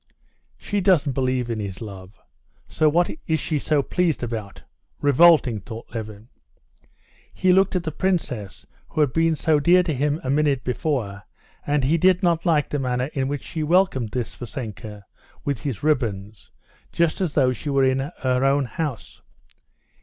"She doesn't believe in his love. So what is she so pleased about? Revolting!" thought Levin. He looked at the princess, who had been so dear to him a minute before, and he did not like the manner in which she welcomed this Vassenka, with his ribbons, just as though she were in her own house.